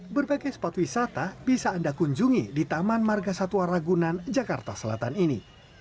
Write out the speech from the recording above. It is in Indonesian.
berbagai spot wisata bisa anda kunjungi di taman marga satwa ragunan jakarta selatan ini